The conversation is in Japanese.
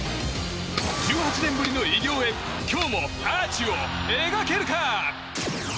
１８年ぶりの偉業へ今日もアーチを描けるか。